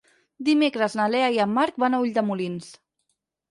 Dimecres na Lea i en Marc van a Ulldemolins.